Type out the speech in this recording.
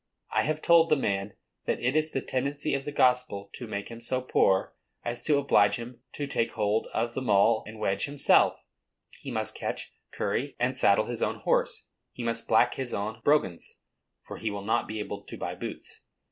I have told the man that it is the tendency of the gospel to make him so poor as to oblige him to take hold of the maul and wedge himself; he must catch, curry, and saddle his own horse; he must black his own brogans (for he will not be able to buy boots).